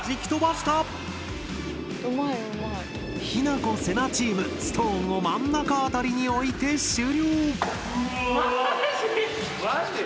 ひなこ・せなチームストーンを真ん中辺りに置いて終了。